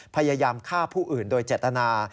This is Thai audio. พยายามฆ่าผู้อื่นโดยเจตนา